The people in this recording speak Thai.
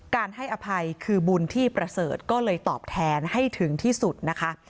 การให้อภัยคือบุญที่ประเสริฐก็เลยตอบแทนให้ถึงที่สุดนะคะ